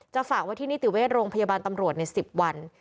ฝากไว้ที่นิติเวชโรงพยาบาลตำรวจใน๑๐วัน